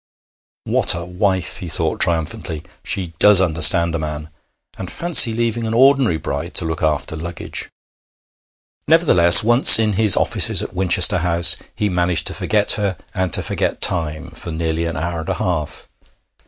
'What a wife!' he thought triumphantly. 'She does understand a man! And fancy leaving any ordinary bride to look after luggage!' Nevertheless, once in his offices at Winchester House, he managed to forget her, and to forget time, for nearly an hour and a half.